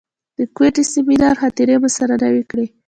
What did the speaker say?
د کوټې سیمینار خاطرې مو سره نوې کړې.